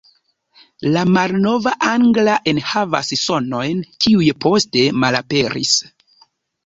La malnova angla enhavas sonojn kiuj poste malaperis.